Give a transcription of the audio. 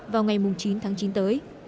vào ngày chín tháng chín tới